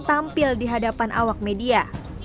tampil di hadapan awak media